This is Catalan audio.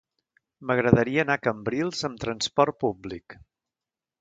M'agradaria anar a Cambrils amb trasport públic.